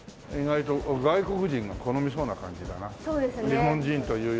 日本人というより。